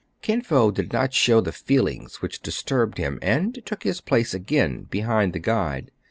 Kin Fo did not show the feelings which dis turbed him, and took his place again behind the guide.